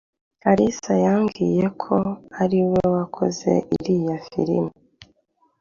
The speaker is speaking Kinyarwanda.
karisa yambwiyeko ariwe wakoze iriya film